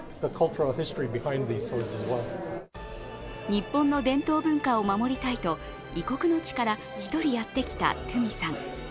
日本の伝統文化を守りたいと異国の地から１人やってきたトゥミさん。